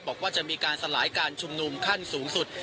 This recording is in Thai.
บอกว่าจะมีการสลายการชุมนุมขั้นสูงสุด